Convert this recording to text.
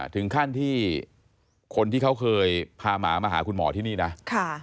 ถึงขั้นที่คนที่เขาเคยพาหมามาหาคุณหมอที่นี่นะ